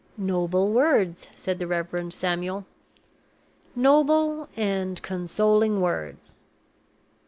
"Noble words!" said the Reverend Samuel. "Noble and consoling words!"